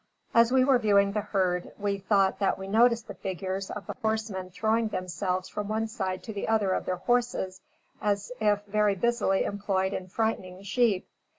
As we were viewing the herd, we thought that we noticed the figures of the horsemen throwing themselves from one side to the other of their horses, as if very busily employed in frightening the sheep.